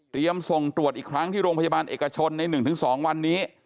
ส่งตรวจอีกครั้งที่โรงพยาบาลเอกชนใน๑๒วันนี้